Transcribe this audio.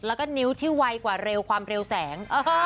แล้วก็นิ้วที่ไวกว่าเร็วความเร็วแสง